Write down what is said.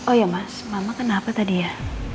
oh ya mas mama kenapa tadi ya